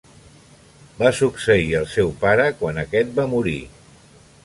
Va succeir el seu pare quan aquest va morir.